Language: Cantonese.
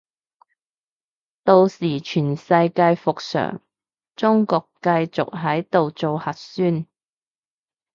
到時全世界復常，中國繼續喺度做核酸